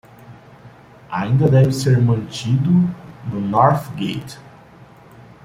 Ainda deve ser mantido no North Gate